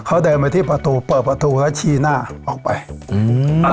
เขาเดินมาที่ประตูเปิดประตูแล้วชี้หน้าออกไปอืม